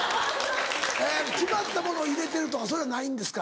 決まったものを入れてるとかそういうのはないんですか？